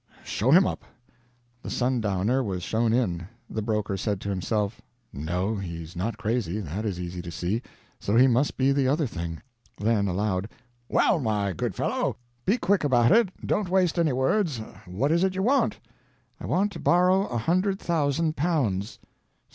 Show him up." The sundowner was shown in. The broker said to himself, "No, he's not crazy; that is easy to see; so he must be the other thing." Then aloud, "Well, my good fellow, be quick about it; don't waste any words; what is it you want?" "I want to borrow a hundred thousand pounds."